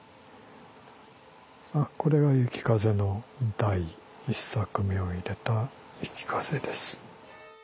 あっこれが「雪風」の第１作目を入れた「雪風」です。